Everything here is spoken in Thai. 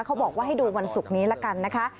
เขาบอกว่าให้ดูวันศุกร์นี้ละกันนะคะ